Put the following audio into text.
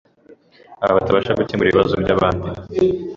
abo batabasha gukemura ibibazo by’abandi